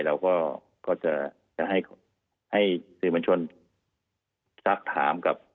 เราก็จะให้ศึกษวนชนทรัพย์ถามกับ